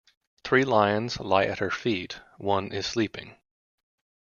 Three lions lie at her feet; one is sleeping.